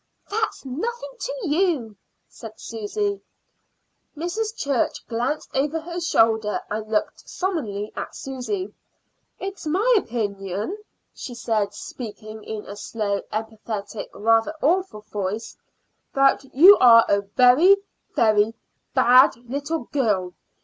"That's nothing to you," said Susy. Mrs. Church glanced over her shoulder and looked solemnly at Susy. "It's my opinion," she said, speaking in a slow, emphatic, rather awful voice, "that you are a very, very bad little girl.